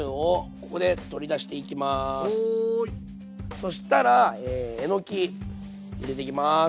そしたらえのき入れていきます。